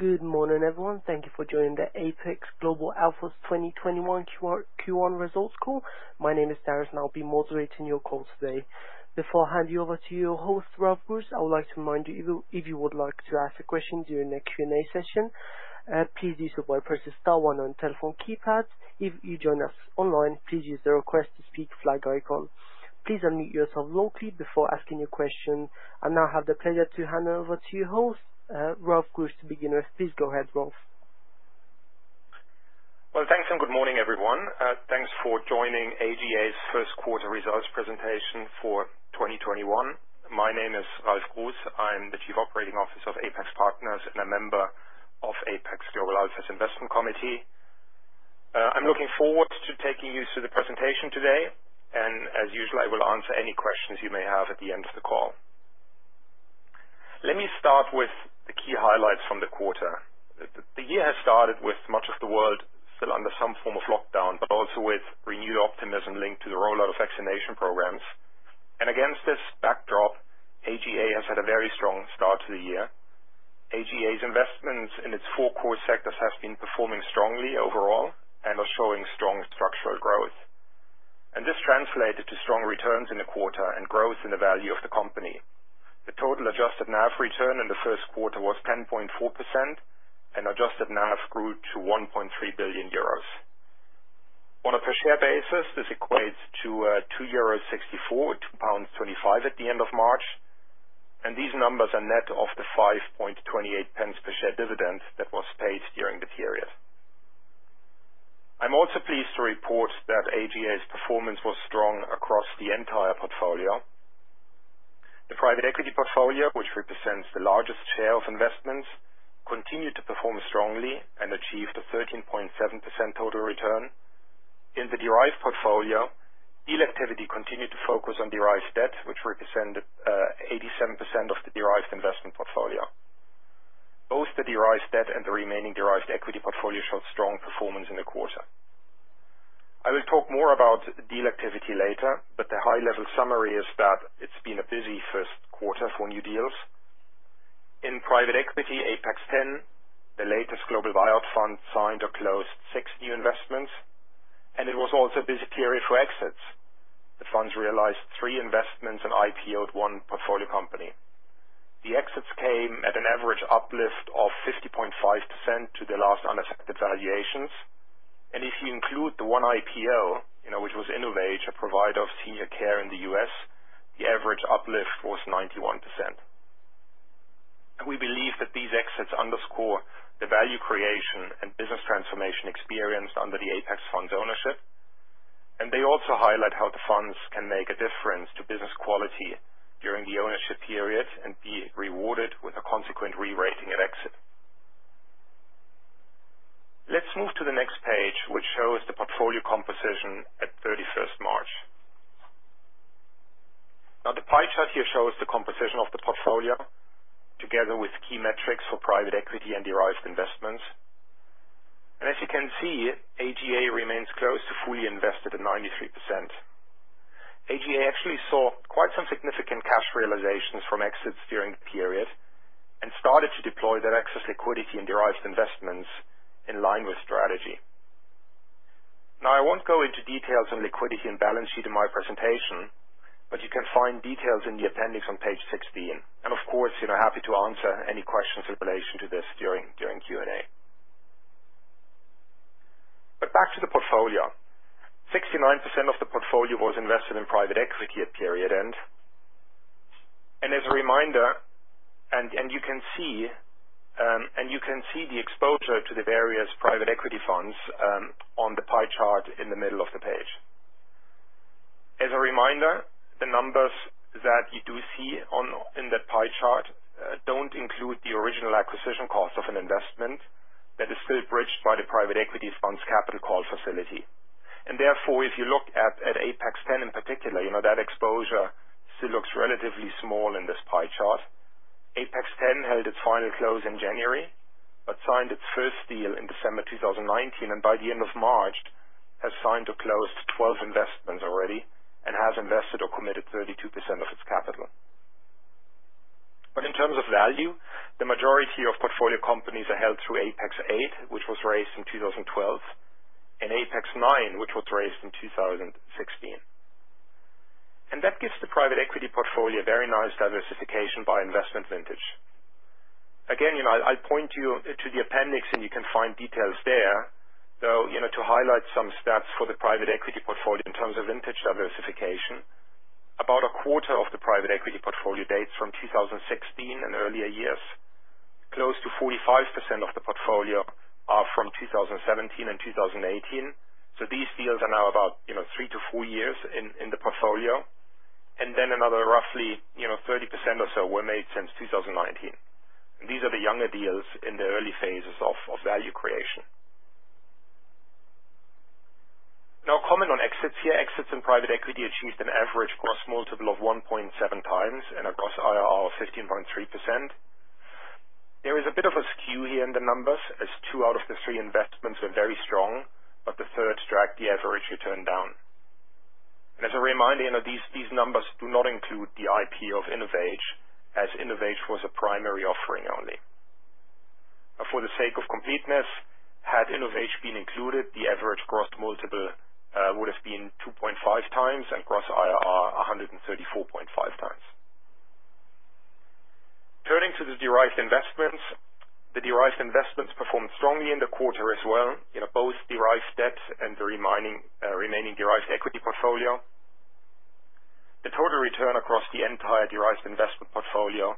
Good morning, everyone. Thank you for joining the Apax Global Alpha's 2021 Q1 results call. My name is Darren, and I'll be moderating your call today. Before I hand you over to your host, Ralf Gruss, I would like to remind you, if you would like to ask a question during the Q&A session, please do so by pressing star one on your telephone keypad. If you join us online, please use the request to speak flag icon. Please unmute yourself locally before asking your question. I now have the pleasure to hand over to your host, Ralf Gruss, to begin with. Please go ahead, Ralf. Well, thanks, and good morning, everyone. Thanks for joining AGA's first-quarter results presentation for 2021. My name is Ralf Gruss. I'm the Chief Operating Officer of Apax Partners and a member of Apax Global Alpha's investment committee. I'm looking forward to taking you through the presentation today, and as usual, I will answer any questions you may have at the end of the call. Let me start with the key highlights from the quarter. The year has started with much of the world still under some form of lockdown, but also with renewed optimism linked to the rollout of vaccination programs. Against this backdrop, AGA has had a very strong start to the year. AGA's investments in its four core sectors have been performing strongly overall and are showing strong structural growth. This translated to strong returns in the quarter and growth in the value of the company. The total adjusted NAV return in the first quarter was 10.4%, and adjusted NAV grew to 1.3 billion euros. On a per-share basis, this equates to 2.64 euros, 2.25 pounds at the end of March, and these numbers are net of the 0.0528 per share dividend that was paid during the period. I'm also pleased to report that AGA's performance was strong across the entire portfolio. The Private Equity portfolio, which represents the largest share of investments, continued to perform strongly and achieved a 13.7% total return. In the derived portfolio, deal activity continued to focus on derived debt, which represented 87% of the derived investment portfolio. Both the derived debt and the remaining derived equity portfolio showed strong performance in the quarter. I will talk more about deal activity later, but the high-level summary is that it's been a busy first quarter for new deals. In private equity, Apax X, the latest global buyout fund signed or closed six new investments, and it was also a busy period for exits. The funds realized three investments and IPO'd one portfolio company. The exits came at an average uplift of 50.5% to the last unaffected valuations. If you include the one IPO, which was InnovAge, a provider of senior care in the U.S., the average uplift was 91%. We believe that these exits underscore the value creation and business transformation experienced under the Apax X's ownership. They also highlight how the funds can make a difference to business quality during the ownership period and be rewarded with a consequent rerating at exit. Let's move to the next page, which shows the portfolio composition at 31st March. The pie chart here shows the composition of the portfolio together with key metrics for private equity and derived investments. As you can see, AGA remains close to fully invested at 93%. AGA actually saw quite some significant cash realizations from exits during the period and started to deploy that excess liquidity in derived investments in line with strategy. I won't go into details on liquidity and balance sheet in my presentation, but you can find details in the appendix on page 16. Of course, happy to answer any questions in relation to this during Q&A. Back to the portfolio. 69% of the portfolio was invested in private equity at period end. You can see the exposure to the various private equity funds on the pie chart in the middle of the page. As a reminder, the numbers that you do see in that pie chart don't include the original acquisition cost of an investment that is still bridged by the private equity fund's capital call facility. Therefore, if you look at Apax X in particular, that exposure still looks relatively small in this pie chart. Apax X held its final close in January, but signed its first deal in December 2019, and by the end of March, has signed or closed 12 investments already and has invested or committed 32% of its capital. In terms of value, the majority of portfolio companies are held through Apax VIII, which was raised in 2012, and Apax IX, which was raised in 2016. That gives the private equity portfolio a very nice diversification by investment vintage. Again, I point you to the appendix, and you can find details there, though, to highlight some stats for the private equity portfolio in terms of vintage diversification. About a quarter of the private equity portfolio dates from 2016 and earlier years. Close to 45% of the portfolio are from 2017 and 2018. These deals are now about three to four years in the portfolio. Another roughly 30% or so were made since 2019. These are the younger deals in the early phases of value creation. Now, comment on exits here. Exits in private equity achieved an average gross multiple of 1.7x and a gross IRR of 15.3%. There is a bit of a skew here in the numbers as two out of the three investments were very strong, but the third dragged the average return down. As a reminder, these numbers do not include the IPO of InnovAge, as InnovAge was a primary offering only. For the sake of completeness, had InnovAge been included, the average grossed multiple would've been 2.5x and gross IRR 134.5x. Turning to the derived investments. The derived investments performed strongly in the quarter as well, both derived debt and the remaining derived equity portfolio. The total return across the entire derived investment portfolio,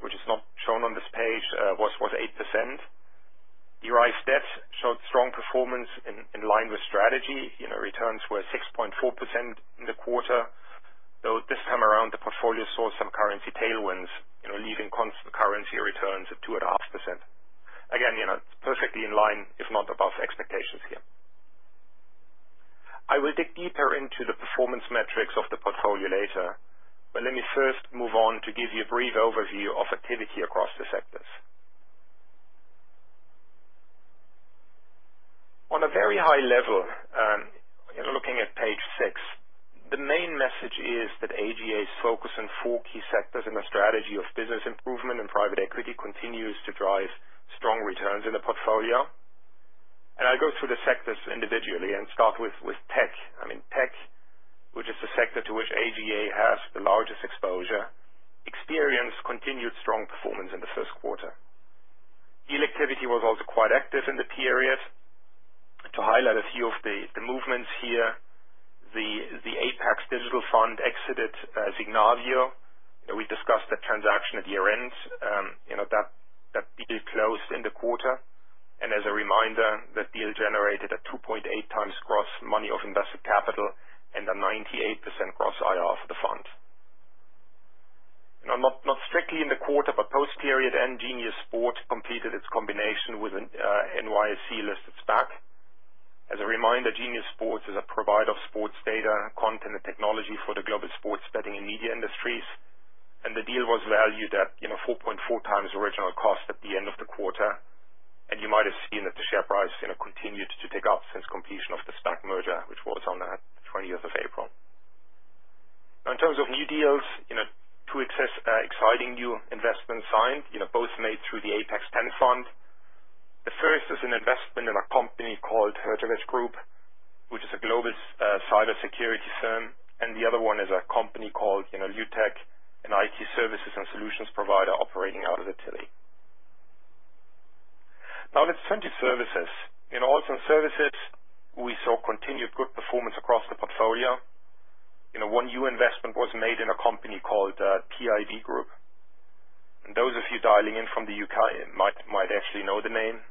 which is not shown on this page, was 8%. Derived debt showed strong performance in line with strategy. Returns were 6.4% in the quarter, though this time around, the portfolio saw some currency tailwinds, leaving constant currency returns at 2.5%. Again, perfectly in line, if not above expectations here. I will dig deeper into the performance metrics of the portfolio later, but let me first move on to give you a brief overview of activity across the sectors. On a very high level, looking at page six, the main message is that AGA's focus on four key sectors in the strategy of business improvement in private equity continues to drive strong returns in the portfolio. I'll go through the sectors individually and start with Tech. Tech, which is the sector to which AGA has the largest exposure, experienced continued strong performance in the first quarter. Deal activity was also quite active in the period. To highlight a few of the movements here, the Apax Digital Fund exited Signavio. We discussed that transaction at year-end. That deal closed in the quarter. As a reminder, that deal generated a 2.8x gross money of invested capital and a 98% gross IRR for the fund. Not strictly in the quarter, but post-period end, Genius Sports completed its combination with an NYSE-listed stock. As a reminder, Genius Sports is a provider of sports data, content, and technology for the global sports betting and media industries. The deal was valued at 4.4x original cost at the end of the quarter. You might have seen that the share price continued to tick up since completion of the stock merger, which was on the 20th of April. Now in terms of new deals, two exciting new investments signed, both made through the Apax X fund. The first is an investment in a company called Herjavec Group, which is a global cybersecurity firm, and the other one is a company called Lutech, an IT services and solutions provider operating out of Italy. Now let's turn to services. In autism services, we saw continued good performance across the portfolio. One new investment was made in a company called PIB Group. Those of you dialing in from the U.K. might actually know the name.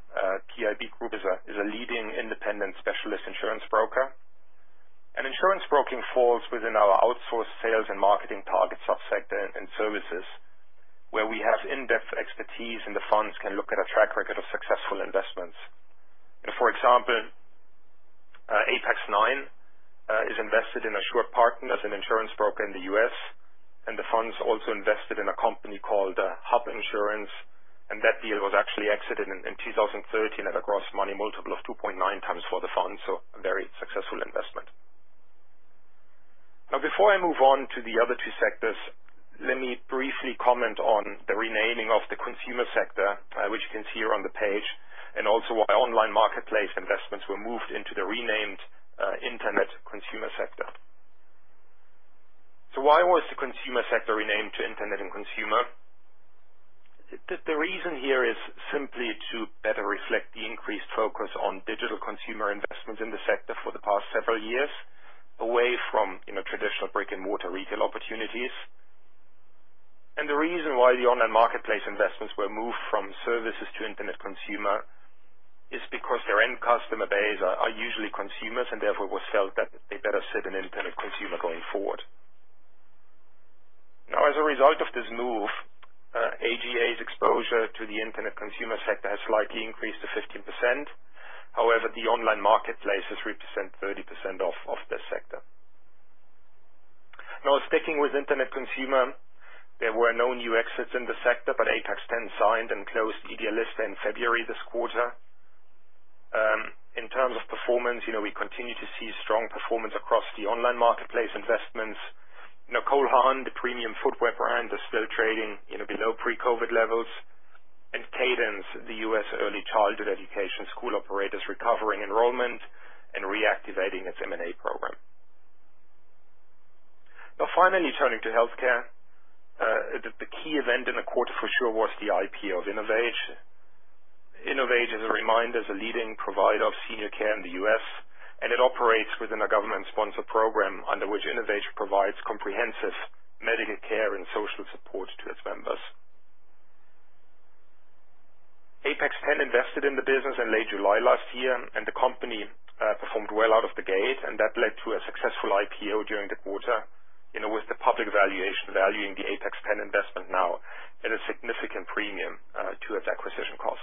PIB Group is a leading independent specialist insurance broker. Insurance broking falls within our outsourced sales and marketing target subsector in services, where we have in-depth expertise and the funds can look at a track record of successful investments. For example, Apax IX is invested in AssuredPartners, an insurance broker in the U.S., and the fund's also invested in a company called Hub International, and that deal was actually exited in 2013 at a gross money multiple of 2.9x for the fund. A very successful investment. Before I move on to the other two sectors, let me briefly comment on the renaming of the consumer sector, which you can see here on the page, and also why online marketplace investments were moved into the renamed Internet and Consumer sector. Why was the consumer sector renamed to Internet and Consumer? The reason here is simply to better reflect the increased focus on digital consumer investment in the sector for the past several years away from traditional brick-and-mortar retail opportunities. The reason why the online marketplace investments were moved from services to internet consumer is because their end customer base are usually consumers, and therefore it was felt that they better sit in internet consumer going forward. As a result of this move, AGA's exposure to the internet consumer sector has slightly increased to 15%. However, the online marketplace is 30% off of this sector. Sticking with internet consumer, there were no new exits in the sector, but Apax X signed and closed idealista in February this quarter. In terms of performance, we continue to see strong performance across the online marketplace investments. Cole Haan, the premium footwear brand, is still trading below pre-COVID levels. Cadence, the U.S. early childhood education school operator, is recovering enrollment and reactivating its M&A program. Finally, turning to healthcare. The key event in the quarter for sure was the IPO of InnovAge. InnovAge, as a reminder, is a leading provider of senior care in the U.S., and it operates within a government-sponsored program under which InnovAge provides comprehensive medical care and social support to its members. Apax X invested in the business in late July last year, and the company performed well out of the gate, and that led to a successful IPO during the quarter, with the public valuation valuing the Apax X investment now at a significant premium to its acquisition cost.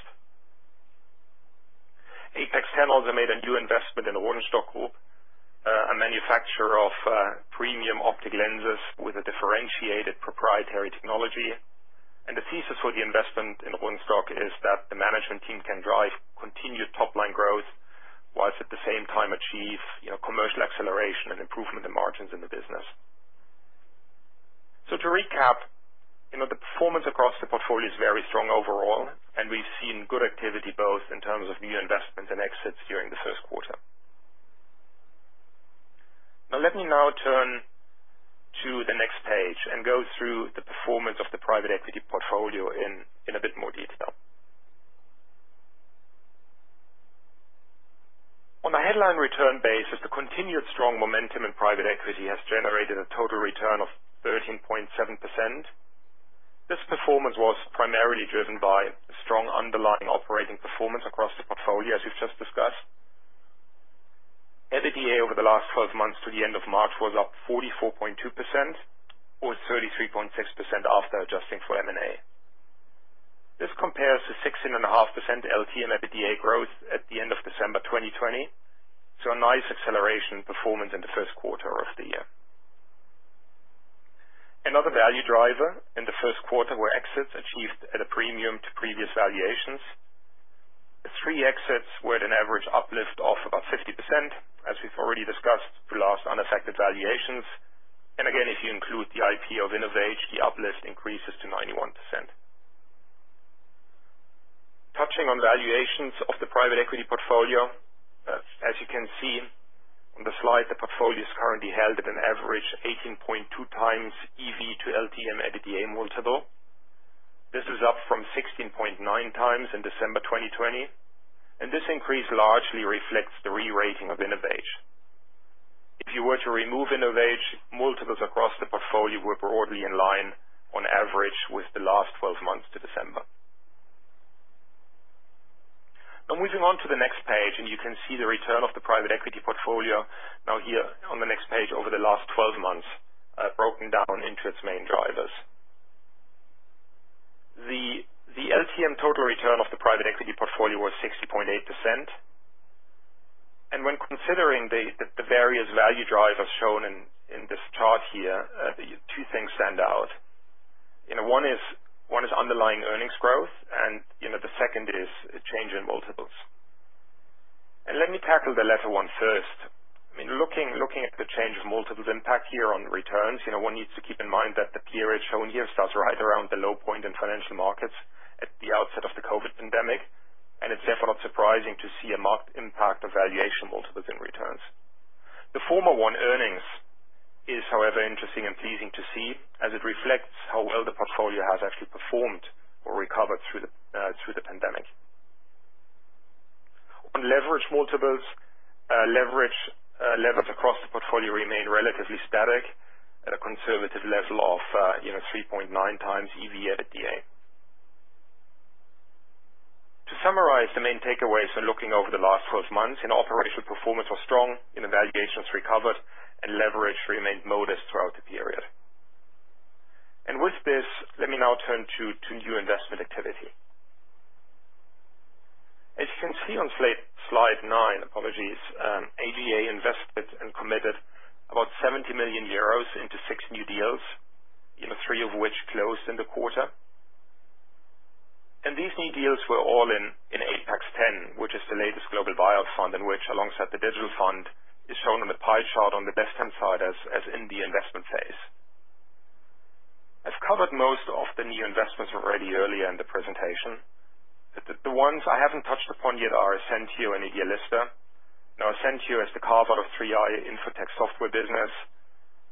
Apax X also made a new investment in the Rodenstock Group, a manufacturer of premium optic lenses with a differentiated proprietary technology. The thesis for the investment in Rodenstock is that the management team can drive continued top-line growth, while at the same time achieve commercial acceleration and improvement in margins in the business. To recap, the performance across the portfolio is very strong overall, and we've seen good activity both in terms of new investments and exits during the first quarter. Now, let me now turn to the next page and go through the performance of the private equity portfolio in a bit more detail. On a headline return basis, the continued strong momentum in private equity has generated a total return of 13.7%. This performance was primarily driven by strong underlying operating performance across the portfolio, as we've just discussed. EBITDA over the last 12 months to the end of March was up 44.2%, or 33.6% after adjusting for M&A. This compares to 16.5% LTM EBITDA growth at the end of December 2020, so a nice acceleration performance in the first quarter of the year. Another value driver in the first quarter were exits achieved at a premium to previous valuations. The three exits were at an average uplift of about 50%, as we've already discussed, to last unaffected valuations. If you include the IPO of InnovAge, the uplift increases to 91%. Touching on valuations of the private equity portfolio. As you can see on the slide, the portfolio is currently held at an average 18.2x EV to LTM EBITDA multiple. This is up from 16.9x in December 2020. This increase largely reflects the re-rating of InnovAge. If you were to remove InnovAge, multiples across the portfolio were broadly in line on average with the last 12 months to December. Moving on to the next page, you can see the return of the private equity portfolio now here on the next page over the last 12 months, broken down into its main drivers. The LTM total return of the private equity portfolio was 60.8%. When considering the various value drivers shown in this chart here, two things stand out. One is underlying earnings growth. The second is a change in multiples. Let me tackle the latter one first. Looking at the change of multiples impact here on returns, one needs to keep in mind that the period shown here starts right around the low point in financial markets at the outset of the COVID pandemic. It's therefore not surprising to see a marked impact of valuation multiples in returns. The former one, earnings, is however interesting and pleasing to see as it reflects how well the portfolio has actually performed or recovered through the pandemic. On leverage multiples, levers across the portfolio remain relatively static at a conservative level of 3.9x EV/EBITDA. To summarize, the main takeaways when looking over the last 12 months in operational performance are strong, and valuations recovered, and leverage remained modest throughout the period. With this, let me now turn to new investment activity. As you can see on slide nine, Apax invested and committed about 70 million euros into six new deals, three of which closed in the quarter. These new deals were all in Apax X, which is the latest global buyout fund, in which alongside the digital fund is shown on the pie chart on the left-hand side as in the investment phase. I've covered most of the new investments already earlier in the presentation. The ones I haven't touched upon yet are Ascensio and idealista. Now Ascensio is the carve out of 3i Infotech software business.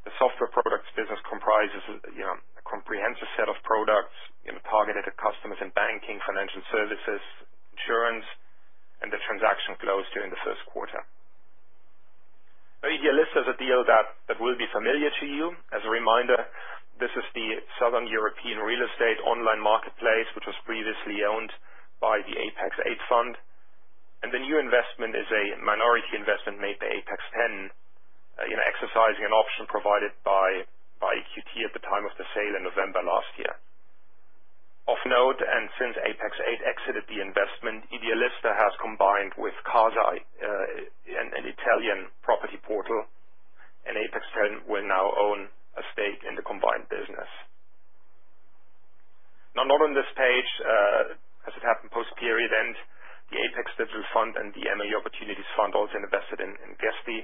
The software products business comprises a comprehensive set of products targeted at customers in banking, financial services, insurance, and the transaction closed during the first quarter. Now, Idealista is a deal that will be familiar to you. As a reminder, this is the Southern European real estate online marketplace, which was previously owned by the Apax VIII fund. The new investment is a minority investment made by Apax X, exercising an option provided by EQT at the time of the sale in November last year. Of note, and since Apax VIII exited the investment, Idealista has combined with Casa, an Italian property portal, and Apax X will now own a stake in the combined business. Now, not on this page, as it happened post-period end, the Apax Digital Fund and the AMI Opportunities Fund also invested in Guesty,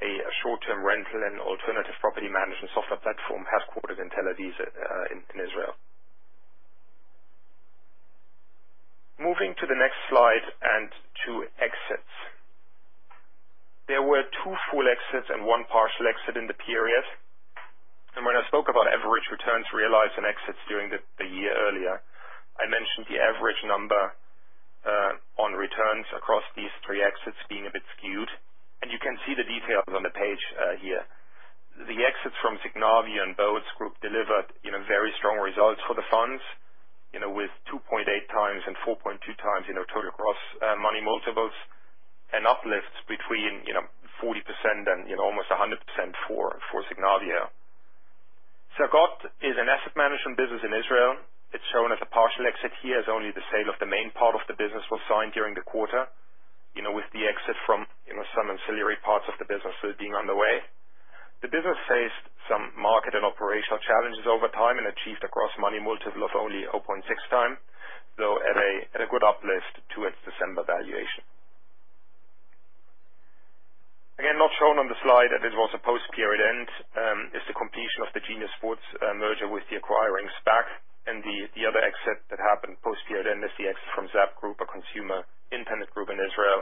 a short-term rental and alternative property management software platform headquartered in Tel Aviv in Israel. Moving to the next slide and to exits. There were two full exits and one partial exit in the period. When I spoke about average returns realized on exits during the year earlier, I mentioned the average number on returns across these three exits being a bit skewed. You can see the details on the page here. The exits from Signavio and Boats Group delivered very strong results for the funds with 2.8x and 4.2x total gross money multiples and uplifts between 40% and almost 100% for Signavio. Psagot is an asset management business in Israel. It's shown as a partial exit here as only the sale of the main part of the business was signed during the quarter. With the exit from some ancillary parts of the business still being on the way. The business faced some market and operational challenges over time and achieved a gross money multiple of only 0.6x, though at a good uplift to its December valuation. Again, not shown on the slide, as this was a post-period end, is the completion of the Genius Sports merger with the acquiring SPAC. The other exit that happened post-year end is the exit from Zap Group, a consumer internet group in Israel.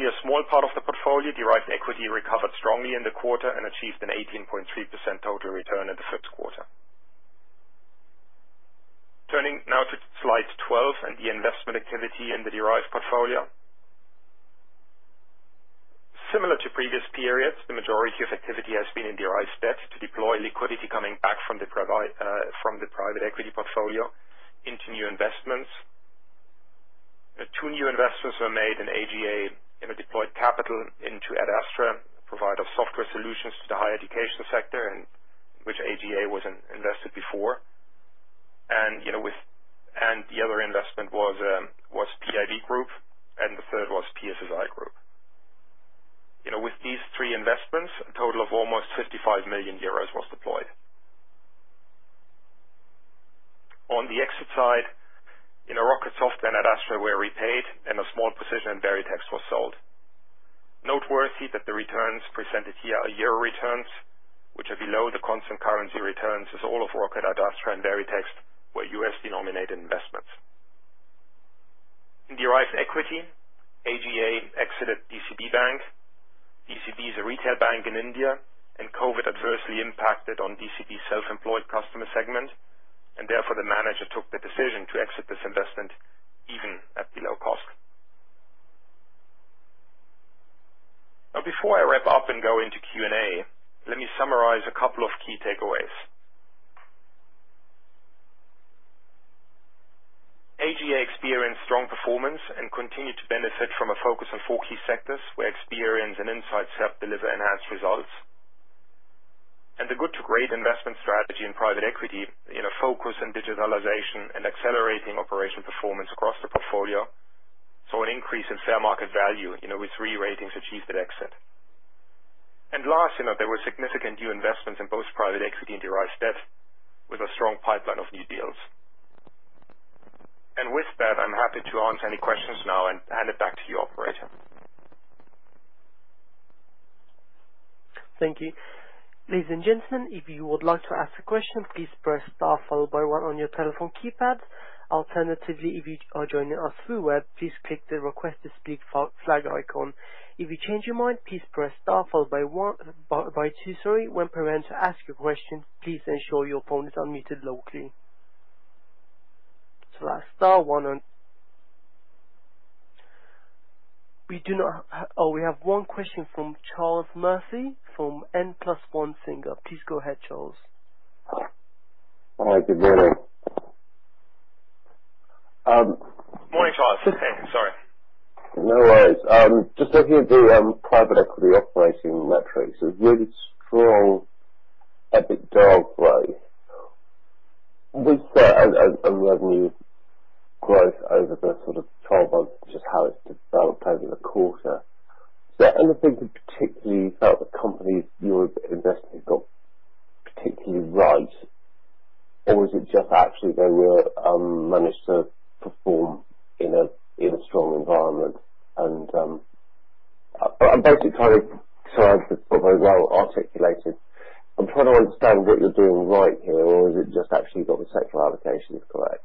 a small part of the portfolio, derived equity recovered strongly in the quarter and achieved an 18.3% total return in the first quarter. Turning now to slide 12 and the investment activity in the derived portfolio. Similar to previous periods, the majority of activity has been in derived debt to deploy liquidity coming back from the private equity portfolio into new investments. Two new investments were made in AGA, deployed capital into Ellucian, a provider of software solutions to the higher education sector, in which AGA was invested before. The other investment was PIB Group, and the third was PSSI Group. With these three investments, a total of almost 55 million euros was deployed. On the exit side, Rocket Software and Edastra were repaid, and a small position in Veritiv was sold. Noteworthy that the returns presented here are euro returns, which are below the constant currency returns, as all of Rocket, Edastra, and Veritiv were US-denominated investments. In derived equity, AGA exited DCB Bank. DCB is a retail bank in India, and COVID adversely impacted on DCB's self-employed customer segment, and therefore the manager took the decision to exit this investment even at below cost. Now, before I wrap up and go into Q&A, let me summarize a couple of key takeaways. AGA experienced strong performance and continued to benefit from a focus on four key sectors where experience and insights help deliver enhanced results. The good to great investment strategy in private equity focus on digitalization and accelerating operational performance across the portfolio, saw an increase in fair market value with re-ratings achieved at exit. Last, there were significant new investments in both private equity and derived debt with a strong pipeline of new deals. With that, I'm happy to answer any questions now and hand it back to you, operator. Oh, we have one question from Charles Murphy from N+1 Singer. Please go ahead, Charles. Hi, good morning. Morning, Charles. Hey, sorry. No worries. Just looking at the private equity operating metrics, a really strong EBITDA growth and revenue growth over the 12 months, just how it's developed over the quarter. Is there anything that particularly you felt the companies you're investing got particularly right? Is it just actually they were managed to perform in a strong environment? Well articulated. I'm trying to understand what you're doing right here, or is it just actually got the sector allocations correct?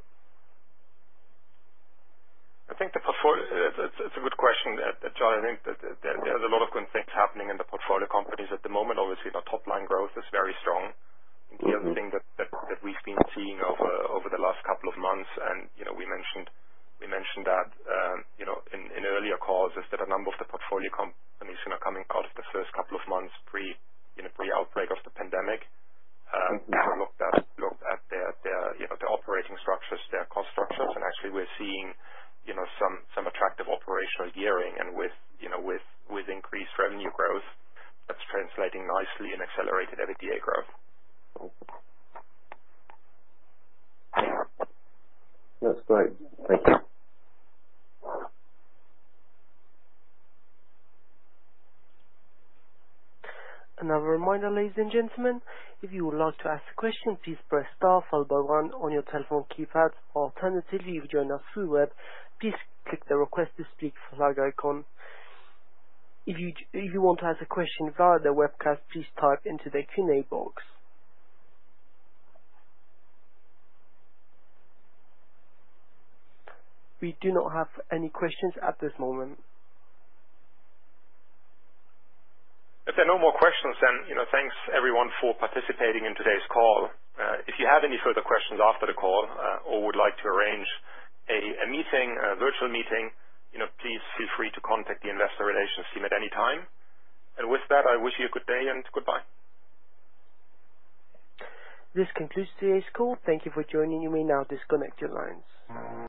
ladies and gentlemen, if you would like to ask a question, please press star followed by one on your telephone keypad. Alternatively, if you join us through web, please click the Request to Speak flag icon. If you want to ask a question via the webcast, please type into the Q&A box. We do not have any questions at this moment. If there are no more questions, then thanks everyone for participating in today's call. If you have any further questions after the call or would like to arrange a virtual meeting, please feel free to contact the investor relations team at any time. With that, I wish you a good day, and goodbye. This concludes today's call. Thank you for joining. You may now disconnect your lines.